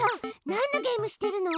なんのゲームしてるの？